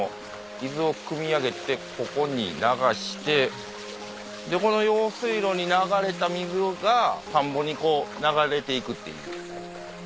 水をくみ上げてここに流してこの用水路に流れた水が田んぼに流れて行くっていう。